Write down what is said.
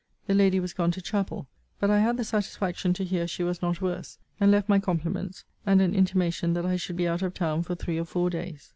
The lady was gone to chapel: but I had the satisfaction to hear she was not worse; and left my compliments, and an intimation that I should be out of town for three or four days.